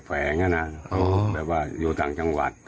แฝงอ่ะนะแบบว่าอยู่ต่างจังหวัด